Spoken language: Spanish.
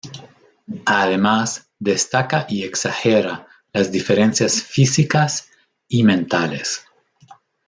Además, destaca y exagera las diferencias físicas y mentales.